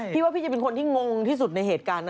พี่ว่าพี่จะเป็นคนที่งงที่สุดในเหตุการณ์นะ